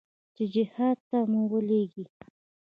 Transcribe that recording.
چې جهاد ته مو ولېږي.